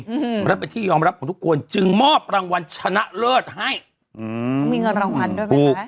อืมแล้วเป็นที่ยอมรับของทุกคนจึงมอบรางวัลชนะเลิศให้อืมมีเงินรางวัลด้วยไหมคะ